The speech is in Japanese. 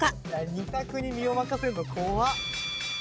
２択に身を任せるの怖っ！